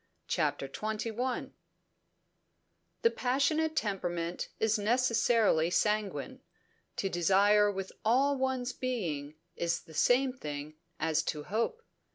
CHAPTER XXI The passionate temperament is necessarily sanguine. To desire with all one's being is the same thing as to hope.